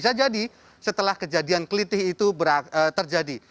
tadi setelah kejadian kelitih itu terjadi